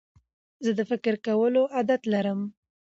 زه د فکر کولو عادت لرم.